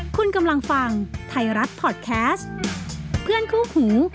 คุณกำลังฟังไทยรัฐพอร์ตแคสต์เพื่อนคู่หู